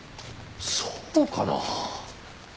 そうかな。